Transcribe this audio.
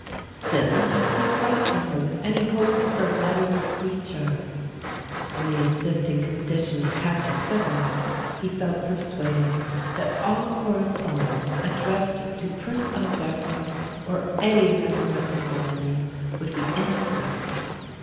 Still, how could he write to her with any hope that the letter would reach her? In the existing condition of Castelcicala, he felt persuaded that all correspondence addressed to Prince Alberto or any member of his family, would be intercepted.